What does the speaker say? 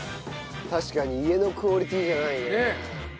確かに家のクオリティーじゃないね。